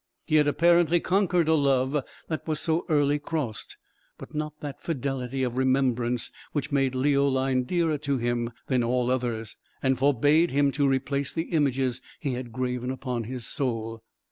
He had apparently conquered a love that was so early crossed, but not that fidelity of remembrance which made Leoline dearer to him than all others, and forbade him to replace the images he had graven upon his soul.